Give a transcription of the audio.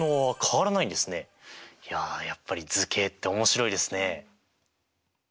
いややっぱり図形って面白いですね！